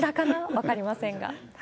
分かりませんが。